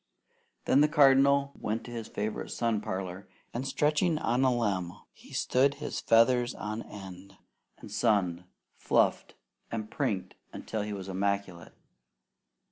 Then the Cardinal went to his favourite sun parlour, and stretching on a limb, he stood his feathers on end, and sunned, fluffed and prinked until he was immaculate.